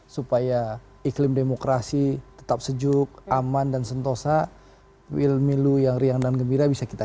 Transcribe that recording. supaya iklim demokrasi tetap sejuk aman dan sentosa wilmilu yang riang dan gembira bisa kita